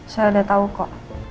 saya udah tau kok